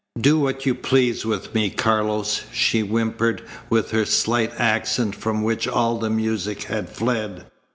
"Do what you please with me, Carlos," she whimpered with her slight accent from which all the music had fled.